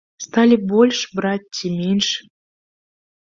Сталі больш браць ці менш?